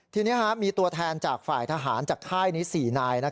ทีนี้มีตัวแทนจากฝ่ายทหารจากค่ายนี้๔นาย